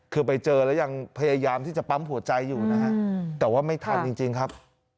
คือไปเจอแล้วยังพยายามที่จะปั๊มหัวใจอยู่นะฮะแต่ว่าไม่ทันจริงครับ